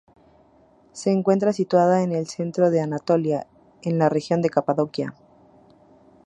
Se encuentra situada en el centro de Anatolia, en la región de Capadocia.